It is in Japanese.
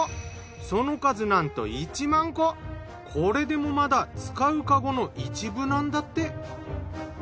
その数なんとこれでもまだ使うカゴの一部なんだって。